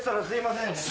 すみません